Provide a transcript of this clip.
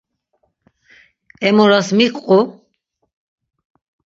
Em oras miǩ qu?